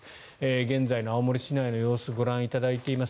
現在の青森市内の様子をご覧いただいています。